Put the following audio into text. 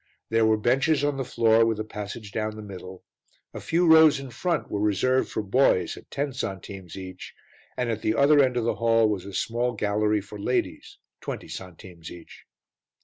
There were benches on the floor with a passage down the middle, a few rows in front were reserved for boys at ten centimes each and at the other end of the hall was a small gallery for ladies, twenty centimes each.